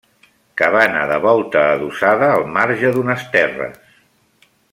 Cabana de volta adossada al marge d'unes terres.